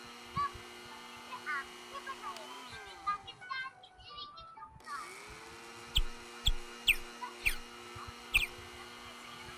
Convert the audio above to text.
جبکہ دکان اٹالین ہے اور اس حصہ میں بائبل سے لیکر عیسائیت پر بیسیوں کتب پڑی تھیں